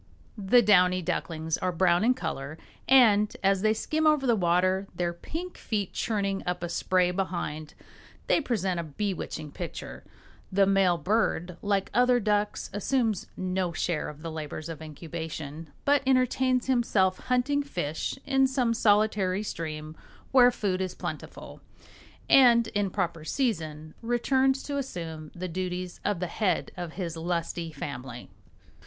The downy ducklings are brown in color and, as they skim over the water, their pink feet churning up a spray behind, they present a bewitching picture. The male bird, like other ducks, assumes no share of the labors of incubation, but entertains himself hunting fish in some solitary stream where food is plentiful, and in proper season returns to assume the duties of the head of his lusty family.